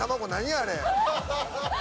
あれ。